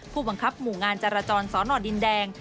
ผู้บังคับหมู่งานจราจรสอนอดินแดง